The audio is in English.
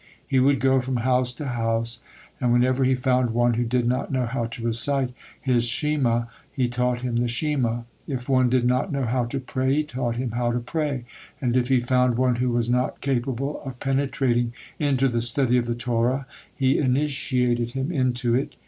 He would go from house to house, and whenever he found one who did not know how to recite his Shema', he taught him the Shema'; if one did not know how to pray he taught him how to pray; and if he found one who was not capable of penetrating into the study of the Torah, he initiated him into it.